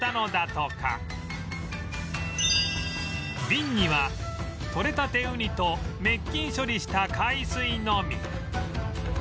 瓶には取れたてウニと滅菌処理した海水のみ